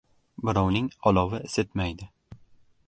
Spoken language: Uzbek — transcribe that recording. • Birovning olovi isitmaydi.